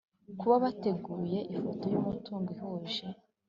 kuba yateguye ifoto y umutungo ihuje